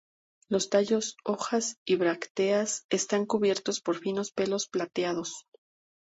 Los tallos, hojas y brácteas están cubiertos de finos pelos plateados.